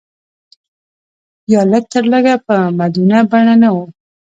یا لږ تر لږه په مدونه بڼه نه و.